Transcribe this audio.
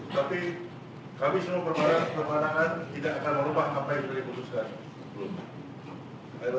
tapi kami semua perpanaan tidak akan merubah apa yang di putuskan